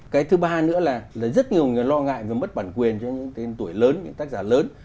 cái thứ ba nữa là rất nhiều người lo ngại về mất bản quyền cho những tên tuổi lớn những tác giả lớn